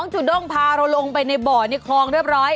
จูด้งพาเราลงไปในบ่อในคลองเรียบร้อย